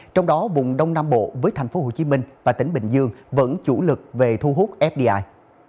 trong đó vùng đông nam bộ với tp hcm và tỉnh bình dương vẫn chủ lực về thu hút fdi